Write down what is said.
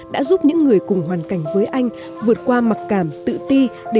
đã giúp những người cùng hoàn cảnh với anh vượt qua mặc cảm tự ti để tự tin làm chủ cuộc đời